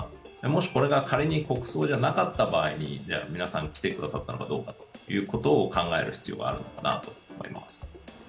もしこれが仮に国葬じゃなかった場合にじゃ皆さん来てくださったのかどうかということを考える必要があるのかなと思います。